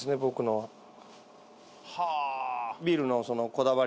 はあ。